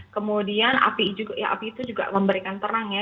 kemudian api itu juga memberikan terang ya